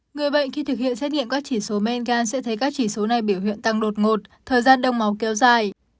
người bệnh khi thực hiện xét nghiệm các chỉ số men gan sẽ thấy các chỉ số này biểu hiện tăng đột ngột thời gian đông máu kéo dài